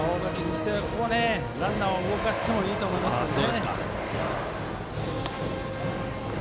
日大はここはランナーを動かしてもいいと思いますけどね。